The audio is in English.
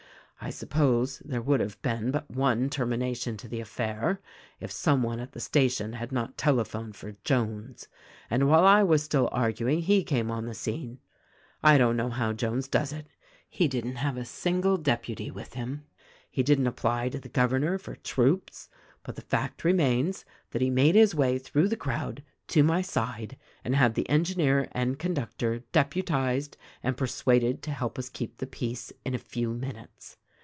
I suppose there would have been but one termination to the affair if some one at the station had not telephoned for Jones, and while I was still arguing he came on the scene. I don't know how Jones does it ; he didn't have a single deputy with him ; he didn't apply to the governor for troops — but the fact remains that he made his way through the crowd to my side and had the engineer and conductor dep THE RECORDING ANGEL 227 utized and persuaded to help us keep the peace, in a few minutes.